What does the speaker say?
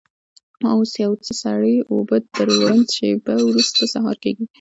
اوس یو څه سړې اوبه در وړم، شېبه وروسته سهار کېږي.